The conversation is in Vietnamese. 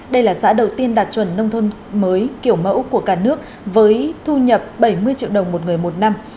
đây là xã đầu tiên đạt chuẩn nông thôn mới kiểu mẫu của cả nước với thu nhập bảy mươi triệu đồng một người một năm